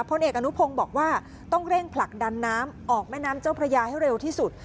พลเอกอนุพงศ์บอกว่าต้องเร่งผลักดันน้ำออกแม่น้ำเจ้าพระยาให้เร็วที่สุด